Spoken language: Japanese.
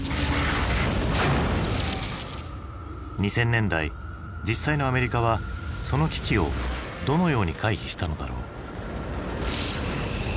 ２０００年代実際のアメリカはその危機をどのように回避したのだろう？